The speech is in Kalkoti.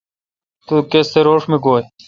تو کس تھ روݭ گویہ۔